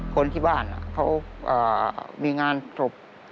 คนที่บ้านเขามีงานศพ